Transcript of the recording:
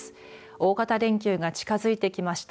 大型連休が近づいてきました。